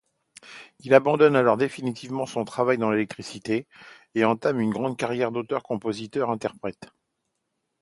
Il abandonne alors définitivement son travail dans l'électricité, et entame une grande carrière d'auteur-compositeur-interprète.